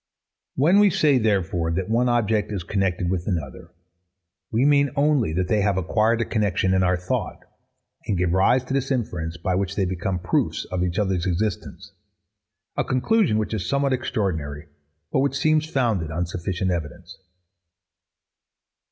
When we say, therefore, that one object is connected with another, we mean only that they have acquired a connexion in our thought, and give rise to this inference, by which they become proofs of each other's existence: A conclusion which is somewhat extraordinary, but which seems founded on sufficient evidence.